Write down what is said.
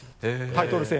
タイトル戦。